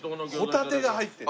ホタテが入ってる。